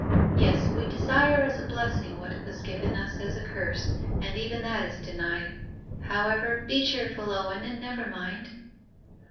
Yes, we desire as a blessing what was given us as a curse, and even that is denied. However, be cheerful, Owen, and never mind!